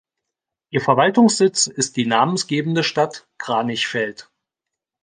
Ihr Verwaltungssitz ist die namensgebende Stadt Kranichfeld.